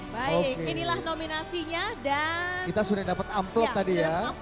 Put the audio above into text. baik inilah nominasinya dan kita sudah dapat amplop tadi ya